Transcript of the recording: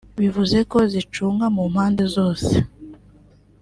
bivuze ko zicunga mu mpande zose